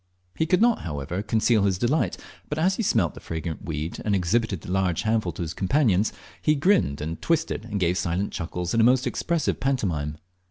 He could not, however, conceal his delight, but as he smelt the fragrant weed, and exhibited the large handful to his companions, he grinned and twisted and gave silent chuckles in a most expressive pantomime.